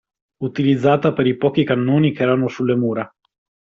Utilizzata per i pochi cannoni che erano sulle mura.